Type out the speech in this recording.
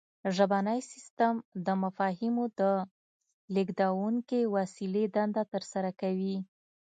ژبنی سیستم د مفاهیمو د لیږدونکې وسیلې دنده ترسره کوي